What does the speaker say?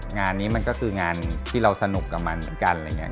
งานนี้มันก็คืองานที่เราสนุกกับมันเหมือนกัน